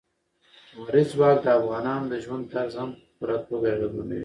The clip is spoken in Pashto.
لمریز ځواک د افغانانو د ژوند طرز هم په پوره توګه اغېزمنوي.